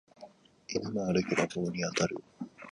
犬も歩けば棒に当たる